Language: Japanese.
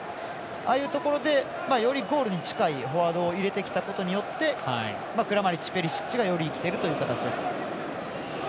ああいうところでよりゴールに近いフォワードを入れてきたことによってクラマリッチ、ペリシッチがより生きてるという形です。